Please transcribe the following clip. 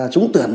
chúng tuyển và